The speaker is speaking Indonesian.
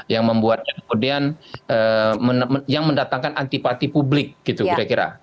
yang membuat kemudian yang mendatangkan antipati publik gitu kira kira